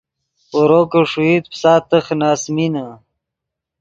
اورو کہ ݰوئیت پیسا تخ نے اَسۡمینے